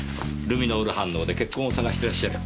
ルミノール反応で血痕を探してらっしゃる。